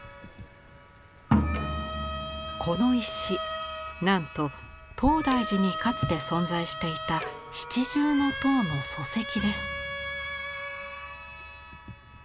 この石なんと東大寺にかつて存在していた七重塔の礎石です。